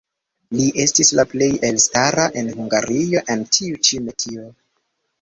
Li estis la plej elstara en Hungario en tiu ĉi metio.